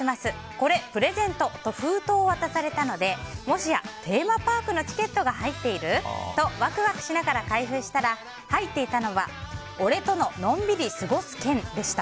これ、プレゼントと封筒を渡されたのでもしやテーマパークのチケットが入っている？とワクワクしながら開封したら入っていたのは俺とののんびり過ごす券でした。